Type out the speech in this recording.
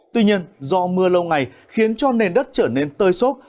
tuy nhiên do mưa lâu ngày khiến cho nền đất trở nên tơi sốt